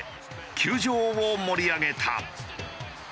球場を盛り上げた。